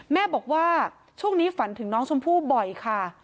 แม่บอกว่าช่วงนี้ฝันถึงน้องชมพู่บ่อยค่ะ